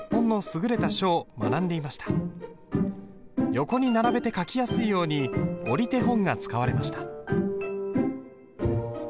横に並べて書きやすいように折手本が使われました。